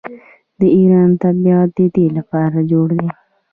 د ایران طبیعت د دې لپاره جوړ دی.